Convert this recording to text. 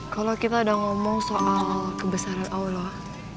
kalau kita udah ngomong soal kebesaran allah